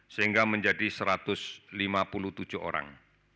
sehingga menjadi satu ratus lima puluh tujuh orang